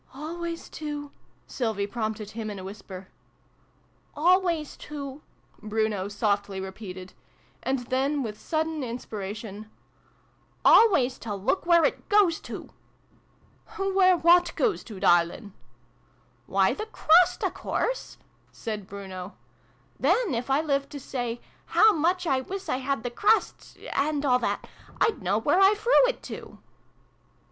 "Always to Sylvie prompted him in a whisper. " Always to ' Bruno softly repeated : and then, with sudden inspiration, " always to look where it goes to !"" Where what goes to, darling ?"" Why the crust, a course !" said Bruno. "Then, if I lived to say 'How much I wiss I had the crust ' (and all that), I'd know where I frew it to